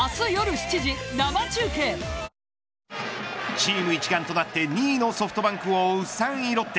チーム一丸となって２位のソフトバンクを追う３位ロッテ。